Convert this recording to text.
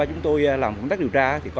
con đang vô nhà trước